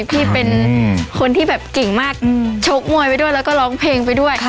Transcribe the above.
ที่เป็นคนที่แบบเก่งมากชกมวยไปด้วยแล้วก็ร้องเพลงไปด้วย